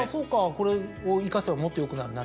これを生かせばもっとよくなるな。